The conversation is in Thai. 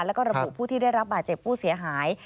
แล้วก็ระบุผู้ที่ได้รับบาดเจ็บผู้เสียหาย